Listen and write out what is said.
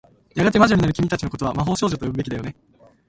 やがて魔女になる君たちの事は、魔法少女と呼ぶべきだよね。